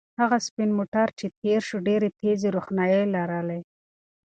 هغه سپین موټر چې تېر شو ډېرې تیزې روښنایۍ لرلې.